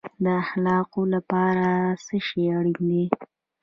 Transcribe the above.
د اخلاقو لپاره څه شی اړین دی؟